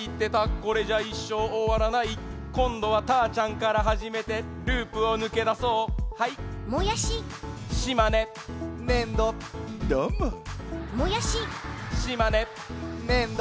これじゃいっしょうおわらないこんどはたーちゃんからはじめてループをぬけだそうはいもやし島根ねんどどーももやし島根ねんど